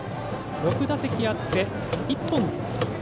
６打席あって１本。